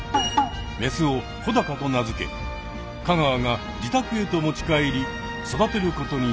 メスを「ほだか」と名付け香川が自宅へと持ち帰り育てることになった。